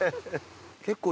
結構。